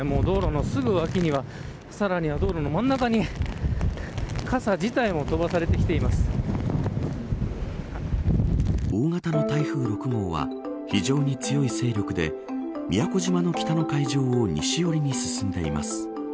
道路のすぐ脇にはさらには、道路の真ん中に大型の台風６号は非常に強い勢力で宮古島の北の海上を西寄りに進んでいます。